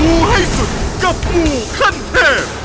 ูให้สุดกับมูขั้นเทพ